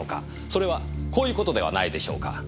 それはこういうことではないでしょうか？